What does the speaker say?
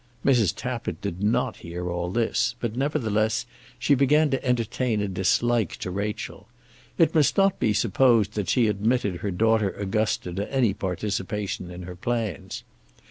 Mrs. Tappitt did not hear all this, but, nevertheless, she began to entertain a dislike to Rachel. It must not be supposed that she admitted her daughter Augusta to any participation in her plans.